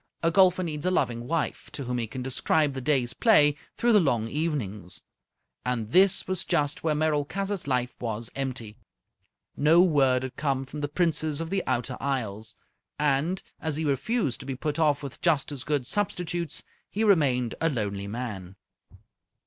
A golfer needs a loving wife, to whom he can describe the day's play through the long evenings. And this was just where Merolchazzar's life was empty. No word had come from the Princess of the Outer Isles, and, as he refused to be put off with just as good substitutes, he remained a lonely man.